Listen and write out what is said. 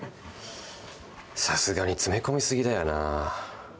さすがに詰め込み過ぎだよな。